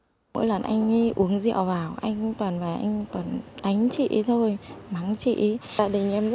trong lúc này trong lúc này trong lúc này